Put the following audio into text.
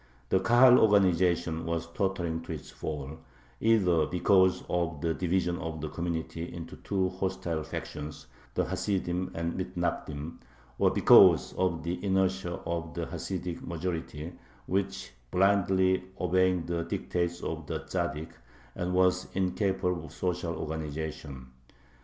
The Kahal organization was tottering to its fall, either because of the division of the community into two hostile factions, the Hasidim and Mithnagdim, or because of the inertia of the Hasidic majority, which, blindly obeying the dictates of the Tzaddik, was incapable of social organization.